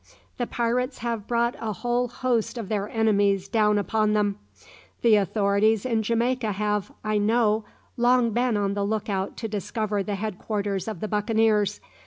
The pirates have brought a whole host of their enemies down upon them. The authorities in Jamaica have, I know, long been on the look out to discover the head quarters of the buccaneers.